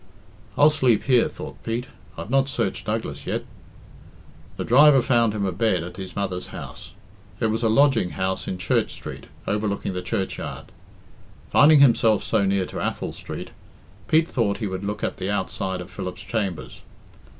"I'll sleep here," thought Pete. "I've not searched Douglas yet." The driver found him a bed at his mother's house. It was a lodging house in Church Street, overlooking the churchyard. Finding himself so near to Athol Street, Pete thought he would look at the outside of Philip's chambers.